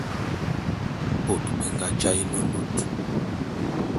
Ane bôt be nga jaé ne lut.